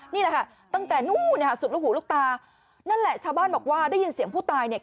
นี่แหละค่ะตั้งแต่นู้นนะคะสุดลูกหูลูกตานั่นแหละชาวบ้านบอกว่าได้ยินเสียงผู้ตายเนี่ย